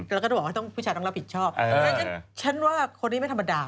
แล้วก็จะบอกว่าต้องผู้ชายต้องรับผิดชอบฉันว่าคนนี้ไม่ธรรมดา